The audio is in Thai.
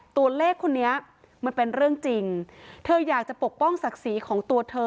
ตัวเลขคนนี้มันเป็นเรื่องจริงเธออยากจะปกป้องศักดิ์ศรีของตัวเธอ